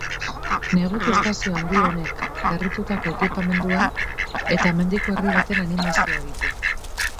Neguko estazio handi honek berritutako ekipamendua eta mendiko herri baten animazioa ditu.